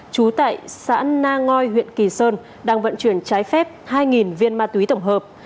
trú tại xã na ngoi huyện kỳ sơn đang vận chuyển trái phép hai viên ma túy tổng hợp